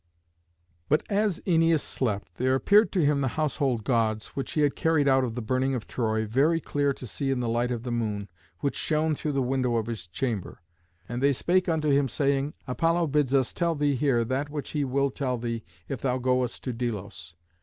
But as Æneas slept there appeared to him the household Gods, which he had carried out of the burning of Troy, very clear to see in the light of the moon, which shone through the window of his chamber. And they spake unto him, saying, "Apollo bids us tell thee here that which he will tell thee if thou goest to Delos.